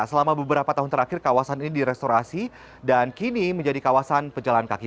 selama beberapa tahun terakhir kawasan ini direstorasi dan kini menjadi kawasan pejalan kaki